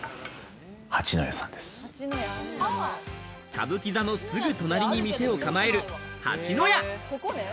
歌舞伎座のすぐ隣に店を構える蜂の家。